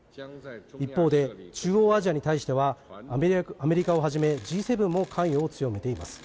一方で中央アジアに対してはアメリカをはじめＧ７も関与を強めています。